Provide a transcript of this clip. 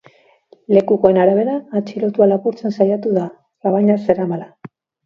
Lekukoen arabera, atxilotua lapurtzen saiatu da, labana zeramala.